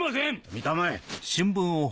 見たまえ。